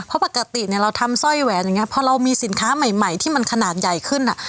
เพราะปกติเนี่ยเราทำสร้อยแหวนอย่างเงี้พอเรามีสินค้าใหม่ที่มันขนาดใหญ่ขึ้นอ่ะ